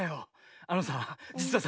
あのさじつはさ